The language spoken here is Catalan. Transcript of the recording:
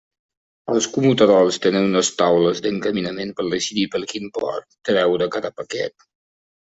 Els commutadors tenen unes taules d'encaminament per decidir per quin port treure cada paquet.